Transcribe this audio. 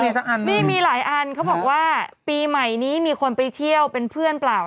มีสักอันมีหลายอันเขาบอกว่าปีใหม่นี้มีคนไปเที่ยวเป็นเพื่อนเปล่า